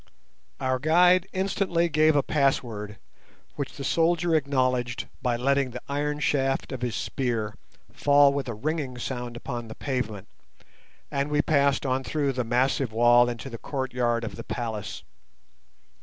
Our guide instantly gave a password, which the soldier acknowledged by letting the iron shaft of his spear fall with a ringing sound upon the pavement, and we passed on through the massive wall into the courtyard of the palace.